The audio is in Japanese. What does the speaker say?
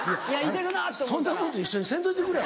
そんなもんと一緒にせんといてくれ。